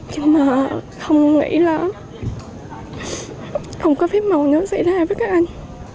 nhưng mà không nghĩ là không có phép màu nó xảy ra với các anh